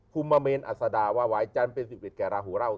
ภุมเมนอัสดาวาวายจันทร์เป็นสิบเอ็ดแกระหูเล่า